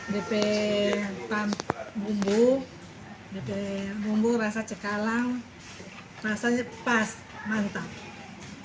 dipe rasa enak